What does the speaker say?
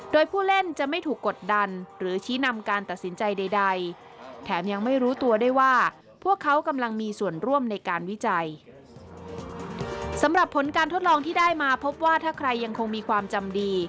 โดยผู้เล่นจะไม่ถูกกดดันหรือชี้นำการตัดสินใจใด